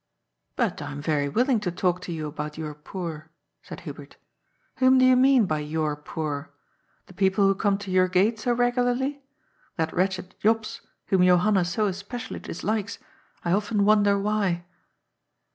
" But I am very willing to talk to you about your poor," said Hubert. " Whom do you mean by your poor ? The people who come to your gate so regularly? That wretched Jops, whom Johanna so especially dislikes, I often wonder why